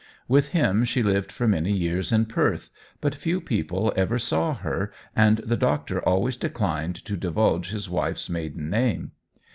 With him she lived for many years in Perth, but few people ever saw her, and the doctor always declined to divulge his wife's maiden name.